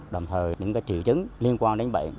đồng thời những triệu chứng liên quan đến bệnh